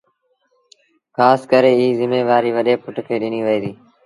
کآس ڪري ايٚ زميوآريٚ وڏي پُٽ کي ڏنيٚ وهي ديٚ